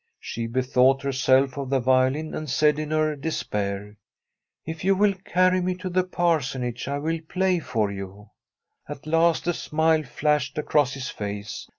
She bethought herself of the violin, and said in her despair :' If you will carry me to the Parsonage, I will play for you.' At last a smile flashed across his face.